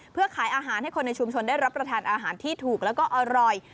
เพื่อขายอาหารให้คนในชุมชนได้รับประทานอาหารที่ถูกแล้วก็อร่อย